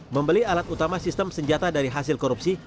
membeli alat utama sistem senjata dari hasil korupsi